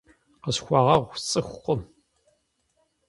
Къысхуэгъуэгъу, сцӏыхукъым.